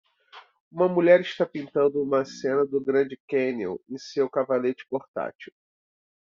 Uma mulher está pintando uma cena do Grand Canyon em seu cavalete portátil.